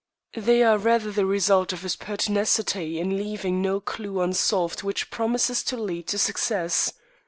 They are rather the result of his pertinacity in leaving no clue unsolved which promises to lead to success.